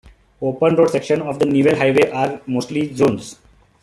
Open road sections of the Newell Highway are mostly zones.